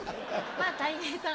まぁたい平さん。